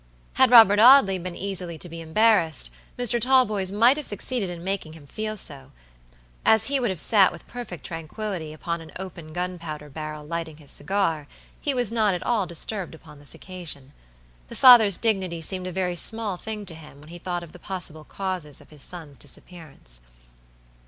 Had Robert Audley been easily to be embarrassed, Mr. Talboys might have succeeded in making him feel so: as he would have sat with perfect tranquility upon an open gunpowder barrel lighting his cigar, he was not at all disturbed upon this occasion. The father's dignity seemed a very small thing to him when he thought of the possible causes of the son's disappearance.